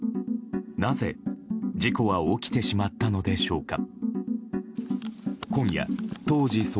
なぜ、事故は起きてしまったのでしょうか。